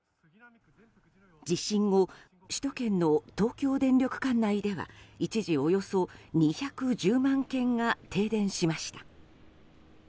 地震後、首都圏の東京電力管内では一時およそ２１０万軒が停電しました。